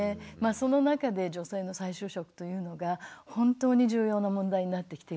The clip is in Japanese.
その中で女性の再就職というのが本当に重要な問題になってきていると思いました。